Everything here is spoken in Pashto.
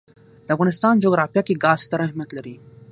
د افغانستان جغرافیه کې ګاز ستر اهمیت لري.